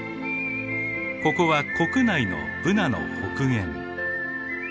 ここは国内のブナの北限。